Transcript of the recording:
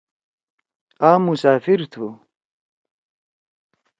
آ مسافر تُھو۔